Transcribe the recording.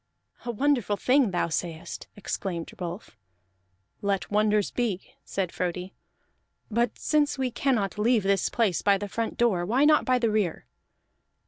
"A wonderful thing thou sayest!" exclaimed Rolf. "Let wonders be," said Frodi. "But since we cannot leave this place by the front door, why not by the rear?"